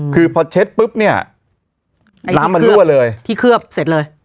คือพอเช็ดปุ๊บเนี่ยน้ำมันรั่วเลยที่เคลือบเสร็จเลย